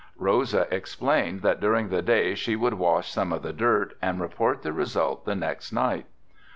Rosa explained that during the day she would wash some of the dirt and report the result the next night.